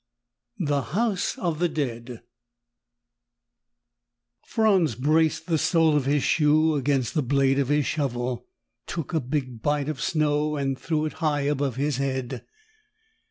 10: THE HOUSE OF THE DEAD Franz braced the sole of his shoe against the blade of his shovel, took a big bite of snow and threw it high above his head.